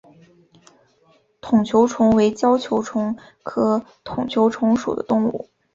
筒球虫为胶球虫科筒球虫属的动物。